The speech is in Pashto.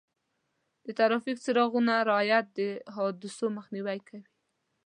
د ټرافیک څراغونو رعایت د حادثو مخنیوی کوي.